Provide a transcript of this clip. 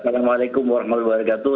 assalamualaikum warahmatullahi wabarakatuh